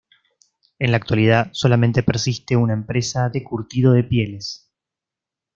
En la actualidad solamente persiste una empresa de curtido de pieles.